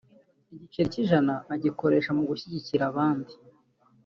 n’igiceri cy’ijana agikoresha mu gushyigikira abandi